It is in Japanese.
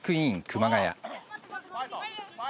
熊谷。